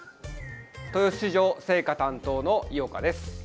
豊洲市場青果担当の井岡です。